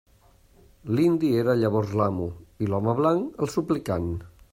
L'indi era llavors l'amo, i l'home blanc el suplicant.